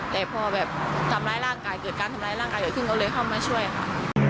แต่พอเกิดการทำร้ายร่างกายขึ้นก็เลยเข้ามาช่วยค่ะ